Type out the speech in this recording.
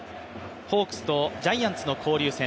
ホークスとジャイアンツの交流戦